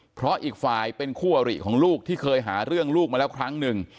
เพราะอีกฝ่ายเป็นคู่อริของลูกที่เคยหาเรื่องลูกมาแล้วครั้งหนึ่ง